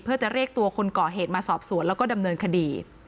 เพื่อจะเรียกตัวคนก่อเหตุมาสอบสวนแล้วก็ดำเนินคดี